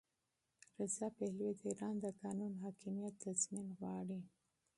رضا پهلوي د ایران د قانون حاکمیت تضمین غواړي.